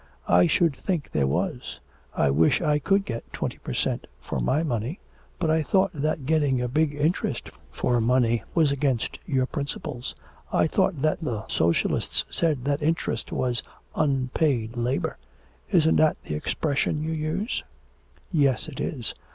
'I should think there was. I wish I could get twenty per cent, for my money. But I thought that getting a big interest for money was against your principles. I thought that the Socialists said that interest was "unpaid labour." Isn't that the expression you use?' 'Yes, it is.